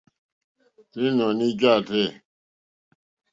Ínɔ̀ní jâ rzɛ̂.